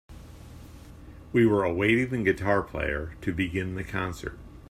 We were awaiting the guitar player to begin the concert.